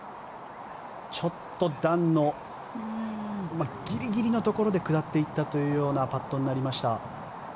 ちょっと段のギリギリのところで下って行ったようなパットになりました。